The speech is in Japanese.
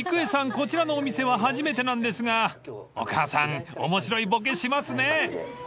こちらのお店は初めてなんですがお母さん面白いボケしますね］